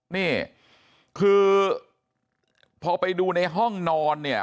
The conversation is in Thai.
นี่คือพอไปดูในห้องนอนเนี่ย